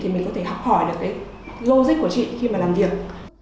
thì mình có thể học hỏi được cái logic của chị khi mà làm việc